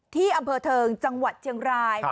ที่อำเภอเทิงจังหวัดเชียงราย